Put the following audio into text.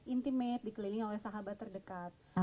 intimate dikelilingi oleh sahabat terdekat